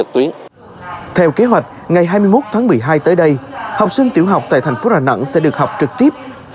theo kế hoạch ngày hai mươi một tháng một mươi hai tới đây học sinh tiểu học tại thành phố đà nẵng sẽ được học trực tiếp